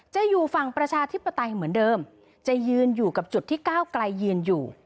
อยู่ฝั่งประชาธิปไตยเหมือนเดิมจะยืนอยู่กับจุดที่ก้าวไกลยืนอยู่